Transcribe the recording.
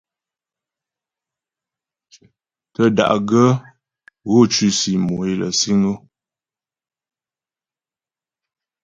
Tə́ da'gaə́ gho tʉsì mò é lə siŋ o.